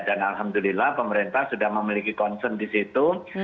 dan alhamdulillah pemerintah sudah memiliki concern di situ